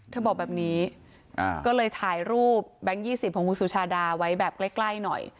บอกแบบนี้ก็เลยถ่ายรูปแบงค์๒๐ของคุณสุชาดาไว้แบบใกล้หน่อย